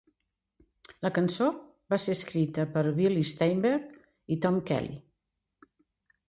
La cançó va ser escrita per Billy Steinberg i Tom Kelly.